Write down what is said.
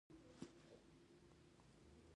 له همدغو غږونو د کلمې بېلابېل ډولونه جوړیږي.